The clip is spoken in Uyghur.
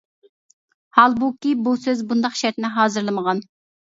ھالبۇكى بۇ سۆز مۇنداق شەرتنى ھازىرلىمىغان.